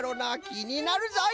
きになるぞい！